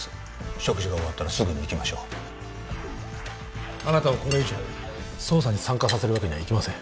食事が終わったらすぐに行きましょうあなたをこれ以上捜査に参加させるわけにはいきません